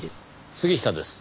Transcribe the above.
杉下です。